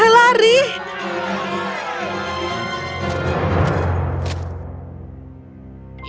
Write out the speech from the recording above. kerajaan cahaya diliputi kegelapan